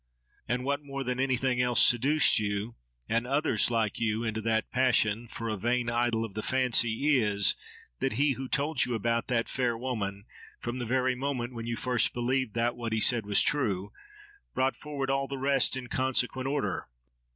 And what more than anything else seduced you, and others like you, into that passion, for a vain idol of the fancy, is, that he who told you about that fair woman, from the very moment when you first believed that what he said was true, brought forward all the rest in consequent order.